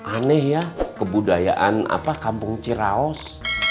aneh ya kebudayaan kampung ciraos